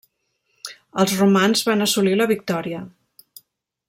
Els romans van assolir la victòria.